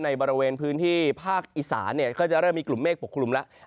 ในบริเวณพื้นที่ภาคอีสานก็จะเริ่มมีกลุ่มเมฆปกคลุมแล้ว